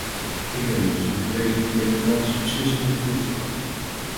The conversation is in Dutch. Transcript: Ik ben het dus niet geweest die een democratische beslissing met de voeten trad.